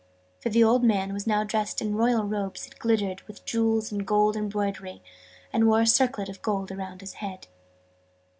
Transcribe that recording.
for the old man was now dressed in royal robes that glittered with jewels and gold embroidery, and wore a circlet of gold around his head.